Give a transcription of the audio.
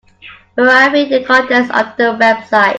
Verify the contents of the website.